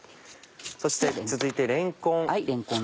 そして続いてれんこん。